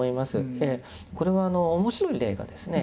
これは面白い例がですね